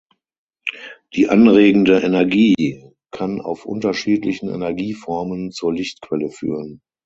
Die anregende Energie kann auf unterschiedlichen Energieformen zur Lichtquelle führen.